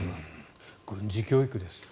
軍事教育ですって。